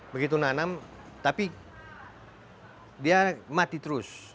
begitu nanam tapi dia mati terus